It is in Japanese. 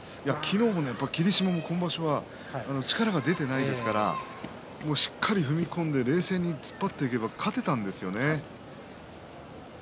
霧島も今場所力が出ていませんのでしっかり踏み込んで冷静に突っ張っていけば勝てたんですよね。